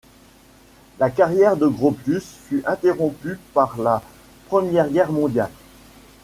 La carrière de Gropius fut interrompue par la Première Guerre mondiale.